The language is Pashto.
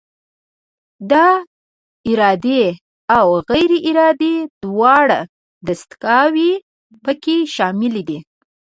دا ارادي او غیر ارادي دواړه دستګاوې پکې شاملې دي.